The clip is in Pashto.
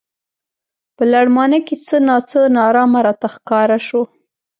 په لړمانه کې څه نا څه نا ارامه راته ښکاره شو.